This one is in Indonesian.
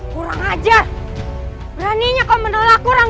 kau tidak mau menerimaku sebagai pendampingmu